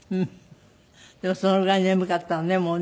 でもそのぐらい眠かったのねもうね。